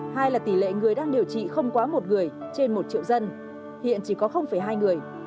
hai là tỷ lệ người đang điều trị không quá một người trên một triệu dân hiện chỉ có hai người